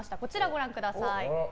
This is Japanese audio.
ご覧ください。